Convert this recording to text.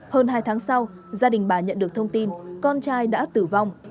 hơn hai tháng sau gia đình bà nhận được thông tin con trai đã tử vong